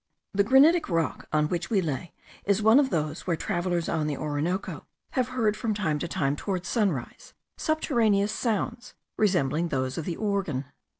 The granitic rock on which we lay is one of those, where travellers on the Orinoco have heard from time to time, towards sunrise, subterraneous sounds, resembling those of the organ.